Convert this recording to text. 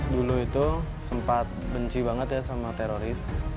dulu itu sempat benci banget ya sama teroris